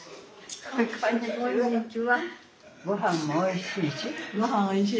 ごはんもおいしいし。